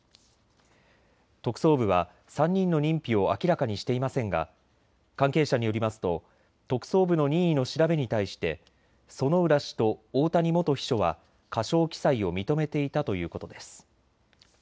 特捜部は３人の認否を明らかにしていませんが関係者によりますと特捜部の任意の調べに対して薗浦氏と大谷元秘書は過少記載を認めていたということです。